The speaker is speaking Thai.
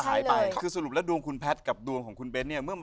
หายไปคือสรุปแล้วดวงคุณแพทย์กับดวงของคุณเบ้นเนี่ยเมื่อ